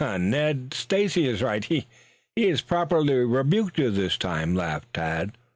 "Ned, Stacy is right. He has properly rebuked you this time," laughed Tad.